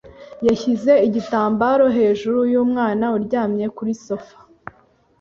Yashyize igitambaro hejuru yumwana uryamye kuri sofa.